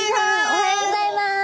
おはようございます。